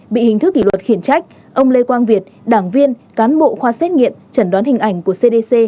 bị hình thức kỷ luật khiển trách ông lê quang việt đảng viên cán bộ khoa xét nghiệm chẩn đoán hình ảnh của cdc